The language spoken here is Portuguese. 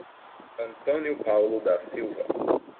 Antônio Paulo da Silva